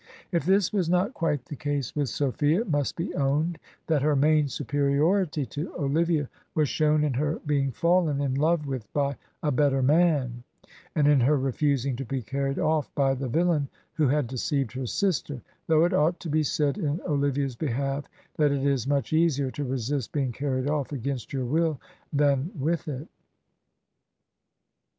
If this was not quite the case with Sophia, it must be owned that her main superiority to Olivia was shown in her being fallen in love with by a better man, and in her refusing to be carried off by the villain who had deceived her sister; though it ought to be said in Olivia's behalf that it is much easier to resist being carried off against your will than with it.